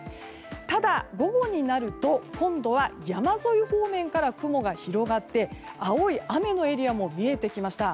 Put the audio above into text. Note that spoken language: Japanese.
ただ、午後になると今度は山沿い方面から雲が広がって青い雨のエリアも見えてきました。